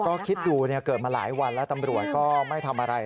ก็คิดดูเกิดมาหลายวันแล้วตำรวจก็ไม่ทำอะไร